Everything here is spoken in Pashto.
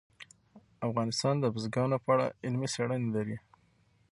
افغانستان د بزګانو په اړه علمي څېړنې لري.